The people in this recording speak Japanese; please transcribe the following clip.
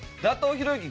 ひろゆき